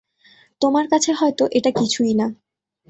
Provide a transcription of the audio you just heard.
তোমার কাছে হয়তো এটা কিছুই না।